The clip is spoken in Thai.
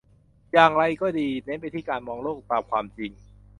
อย่างไรก็ดี เน้นไปที่การมองโลกตามความจริง